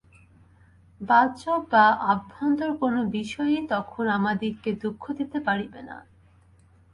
বাহ্য বা আভ্যন্তর কোন বিষয়ই তখন আমাদিগকে দুঃখ দিতে পারিবে না।